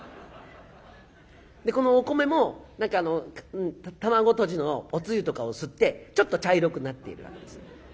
このお米も卵とじのおつゆとかを吸ってちょっと茶色くなっているわけです。